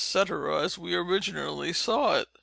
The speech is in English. as we originally saw it.